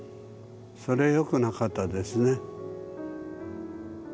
それよくなかったですね。